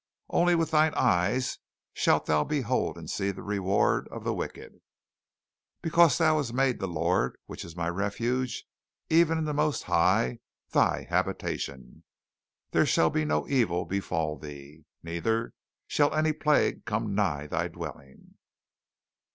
"Only with thine eyes shalt thou behold and see the reward of the wicked. "Because thou hast made the Lord, which is my refuge, even the most High, thy habitation; There shall no evil befall thee, neither shall any plague come nigh thy dwelling.